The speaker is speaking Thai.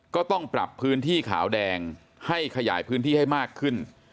ก็ต้องปรับพื้นที่ขาวแดงให้ขยายพื้นที่ให้มากขึ้น